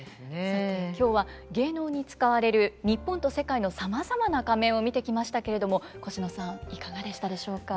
さて今日は芸能に使われる日本と世界のさまざまな仮面を見てきましたけれどもコシノさんいかがでしたでしょうか？